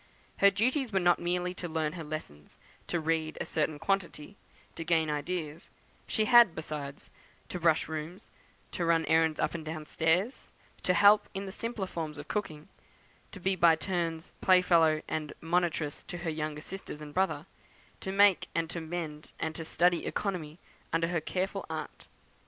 Her duties were not merely to learn her lessons, to read a certain quantity, to gain certain ideas; she had, besides, to brush rooms, to run errands up and down stairs, to help in the simpler forms of cooking, to be by turns play fellow and monitress to her younger sisters and brother, to make and to mend, and to study economy under her careful aunt.